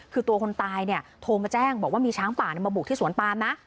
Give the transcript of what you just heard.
คือตัวคนตายเนี่ยโทรมาแจ้งบอกว่ามีช้างป่ามาบุกที่สวนปามนะ